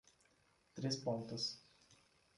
Três Pontas